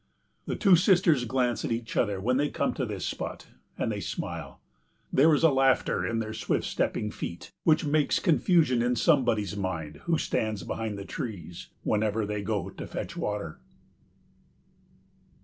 The two sisters glance at each other when they come to this spot, and they smile. There is a laughter in their swift stepping feet, which makes confusion in somebody's mind who stands behind the trees whenever they go to fetch water.